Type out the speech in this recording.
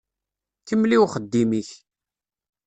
Kemmel i uxeddim-ik.